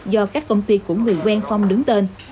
do các công ty của người quen phong đứng tên